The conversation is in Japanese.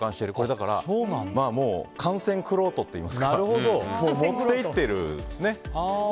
だから観戦玄人といいますか持っていっているんですね。